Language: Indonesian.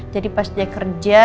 jadi pas dia kerja